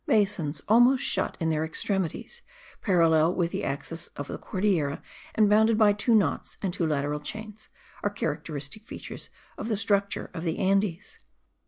Basins, almost shut in at their extremities, parallel with the axis of the Cordillera and bounded by two knots and two lateral chains, are characteristic features of the structure of the Andes.